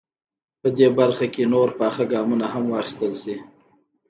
په دې برخه کې نور پاخه ګامونه هم واخیستل.